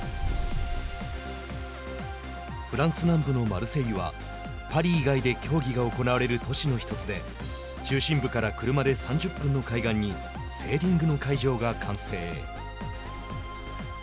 フランス南部のマルセイユはパリ以外で競技が行われる都市の１つで中心部から車で３０分の海岸にセーリングの会場が完成。